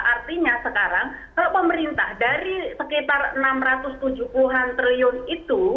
artinya sekarang kalau pemerintah dari sekitar enam ratus tujuh puluh an triliun itu